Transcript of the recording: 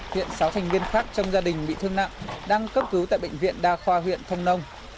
hiện sáu thành viên khác trong gia đình bị thương nặng đang cấp cứu tại bệnh viện đa khoa huyện thông nông